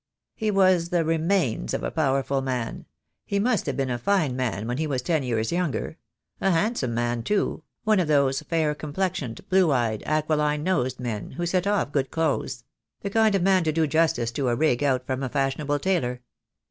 "He was the remains of a powerful man — he must have been a fine man when he was ten years younger — a handsome man, too — one of those fair complexioned, blue eyed, aquiline nosed men who set off good clothes — the kind of man to do justice to a rig out from a fashionable tailor.